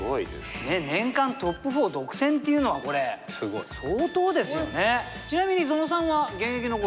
年間トップ４独占っていうのはこれ相当ですよね。